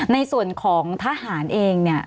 ในส่วนของทหารเองเนี่ย